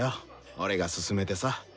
俺が勧めてさ。